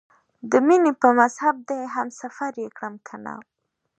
د مینې په مذهب دې هم سفر یې کړم کنه؟